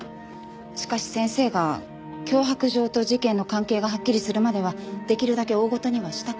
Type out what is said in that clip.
しかし先生が脅迫状と事件の関係がはっきりするまではできるだけ大ごとにはしたくないと。